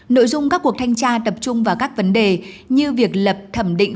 nội dung các cuộc thanh tra tập trung vào các vấn đề như việc lập thẩm định